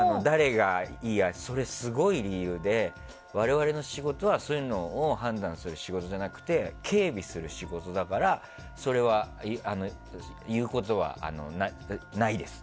それは、すごい理由で我々の仕事はそういうのを判断する仕事じゃなくて警備する仕事だからそれは言うことはないです。